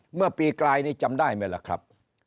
เมื่อปีกลายนี้จำได้ไหมล่ะครับ